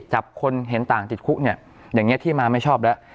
จับคนเห็นต่างติดคุกเนี่ยอย่างนี้ที่มาไม่ชอบแล้ว